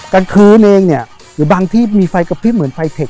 กันคืนเองบางที่มีไฟกับพิ่นเหมือนไฟเทค